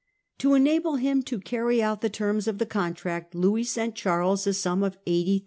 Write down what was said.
To enable him to carry out the terms of the contract Louis sent Charles a sum of So, 000